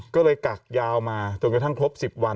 ก็เลยกักยาวมาจนกระทั่งครบ๑๐วัน